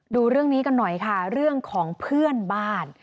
ดูเรื่องนี้กันหน่อยค่ะเรื่องของเพื่อนบ้าน